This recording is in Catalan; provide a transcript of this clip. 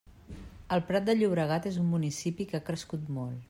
El Prat de Llobregat és un municipi que ha crescut molt.